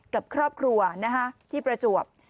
กับครอบครัวที่ประจวบ